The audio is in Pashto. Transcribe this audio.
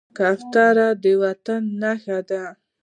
کوتره د وطن نښه ده.